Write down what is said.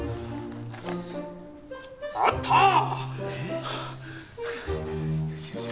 あったー！